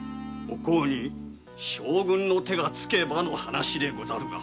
お甲に将軍の手がつけばの話でござるが。